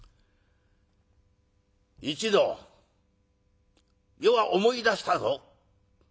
「一同余は思い出したぞ。